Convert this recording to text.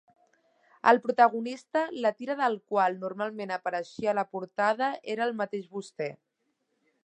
El protagonista, la tira del qual normalment apareixia a la portada, era el mateix Buster.